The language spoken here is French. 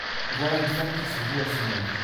Voilà une femme qui se voue à son œuvre !